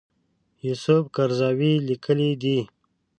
یوسف قرضاوي لیکلي دي.